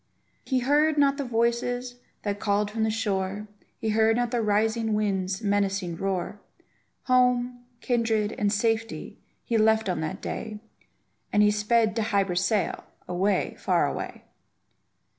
He heard not the voices that called from the shore He heard not the rising wind's menacing roar; Home, kindred, and safety, he left on that day, And he sped to Hy Brasail, away, far away!